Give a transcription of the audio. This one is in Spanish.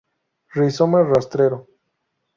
Rizoma rastrero.